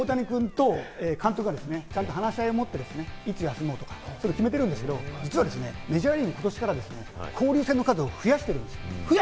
これは大谷君と監督がちゃんと話し合いを持って、いつ休もうとか決めてるんですけど、実はメジャーリーグ、今年から交流戦の数を増やしてるんです。